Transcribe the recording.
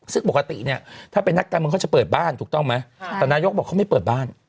ซึ่งปกติเนี่ยถ้าเป็นนักการเมืองเขาจะเปิดบ้านถูกต้องไหมแต่นายกบอกเขาไม่เปิดบ้าน